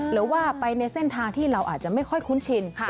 หรือว่าไปในเส้นทางที่เราอาจจะไม่ค่อยคุ้นชิน